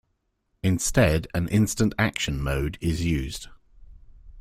Instead an instant action mode is used.